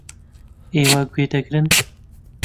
ئێوە گوێ دەگرن.